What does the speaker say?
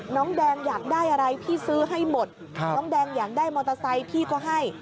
น้องแดงอยากได้อะไรพี่ซื้อให้หมดน้องแดงอยากได้มอเตอร์ไซค์พี่ก็ให้